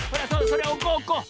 それおこうおこう。